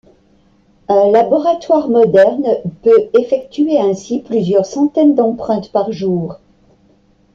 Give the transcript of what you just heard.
Un laboratoire moderne peut effectuer ainsi plusieurs centaines d'empreintes par jour.